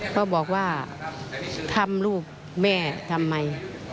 เขาบอกว่าทำลูกแม่ทำไม